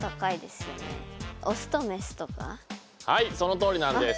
はいそのとおりなんです。